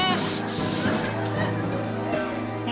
mengkung gue cium